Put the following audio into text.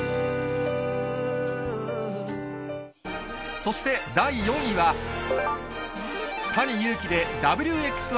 そして第４位は、ＴａｎｉＹｕｕｋｉでＷ／Ｘ／Ｙ。